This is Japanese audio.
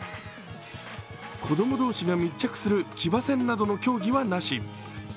子供同士が密着する騎馬戦などの競技はなし。